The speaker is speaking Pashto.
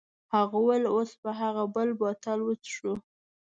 هغه وویل اوس به هغه بل بوتل وڅښو.